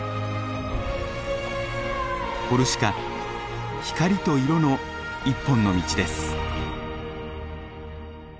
コルシカ光と色の一本の道です。